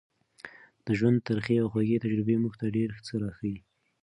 د ژوند ترخې او خوږې تجربې موږ ته ډېر څه راښيي.